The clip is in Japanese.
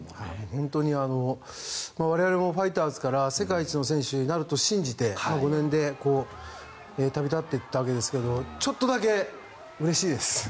本当に我々もファイターズから世界一の選手になると信じて５年で旅立っていったわけですがちょっとだけうれしいです。